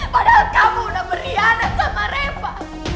padahal kamu udah berianat sama repa